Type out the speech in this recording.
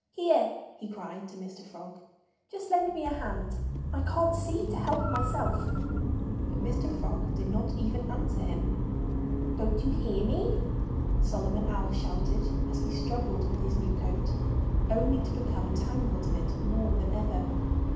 "Here!" he cried to Mr. Frog. "Just lend me a hand! I can't see to help myself." But Mr. Frog did not even answer him. "Don't you hear me?" Solomon Owl shouted, as he struggled with his new coat, only to become tangled in it more than ever.